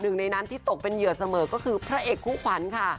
หนึ่งในนั้นที่ตกเป็นเหยื่อเสมอก็คือพระเอกคู่ขวัญค่ะ